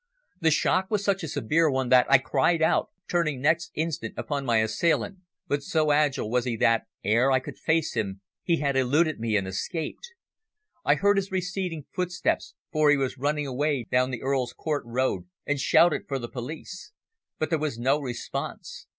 The shock was such a severe one that I cried out, turning next instant upon my assailant, but so agile was he that, ere I could face him, he had eluded me and escaped. I heard his receding footsteps for he was running away down the Earl's Court Road and shouted for the police. But there was no response.